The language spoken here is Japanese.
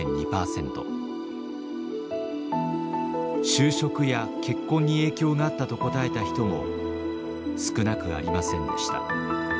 就職や結婚に影響があったと答えた人も少なくありませんでした。